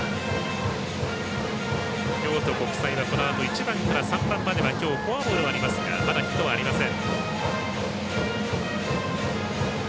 京都国際はこのあと１番から３番まではきょうフォアボールはありますがまだヒットはありません。